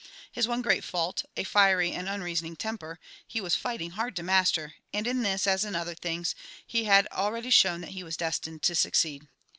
His one great fault, a fiery and unreasoning temper, he was fighting hard to master, and in this, as in other things, he had already shown that he was destined to succeed.